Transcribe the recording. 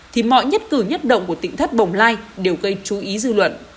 thì mọi nhất cử nhất động của tỉnh thất bồng lai đều gây chú ý dư luận